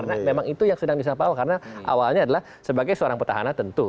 karena memang itu yang sedang disampaikan pak ahok karena awalnya adalah sebagai seorang petahana tentu